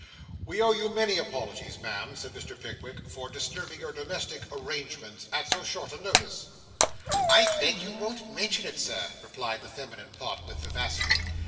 'We owe you many apologies, ma'am,' said Mr. Pickwick, 'for disturbing your domestic arrangements at so short a notice.' 'I beg you won't mention it, sir,' replied the feminine Pott, with vivacity.